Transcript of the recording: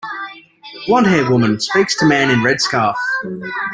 Blondhair woman speaks to man in red scarf.